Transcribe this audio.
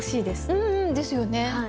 うんうんですよね。